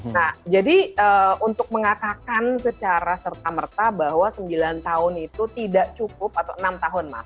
nah jadi untuk mengatakan secara serta merta bahwa sembilan tahun itu tidak cukup atau enam tahun mas